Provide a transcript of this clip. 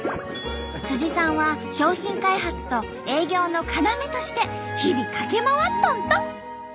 さんは商品開発と営業の要として日々駆け回っとんと！